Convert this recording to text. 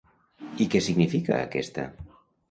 I què significa, aquesta?